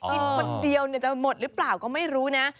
กินคนเดียวจะหมดหรือเปล่าก็ไม่รู้นะ